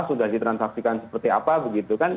sudah ditransaksikan seperti apa begitu kan